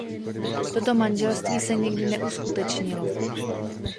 Toto manželství se nikdy neuskutečnilo.